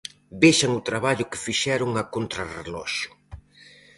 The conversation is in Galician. Vexan o traballo que fixeron a contrarreloxo.